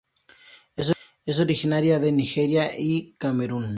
Es originaria de Nigeria y Camerún.